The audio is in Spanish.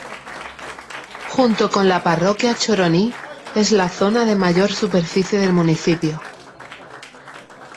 Junto con la parroquia Choroní es la zona de mayor superficie del municipio.